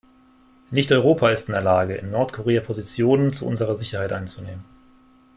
Nicht Europa ist in der Lage, in Nordkorea Positionen zu unserer Sicherheit einzunehmen.